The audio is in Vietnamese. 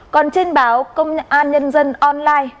còn trên báo công an nhân dân online